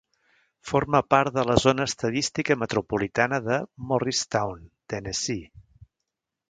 Forma part de la zona estadística metropolitana de Morristown, Tennessee.